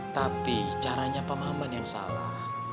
tapi caranya pak maman yang salah